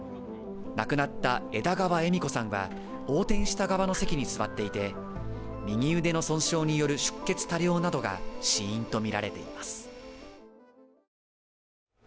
亡くなった枝川恵美子さんは、横転した側の席に座っていて、右腕の損傷による出血多量などが死因とみられています。